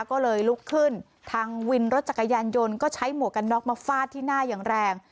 ก็เลยลุกขึ้นทางวินรถจักรยานยนต์ก็ใช้หมวกกันน็อกมาฟาดที่หน้าอย่างแรง